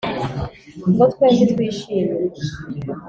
ngo twembi twishime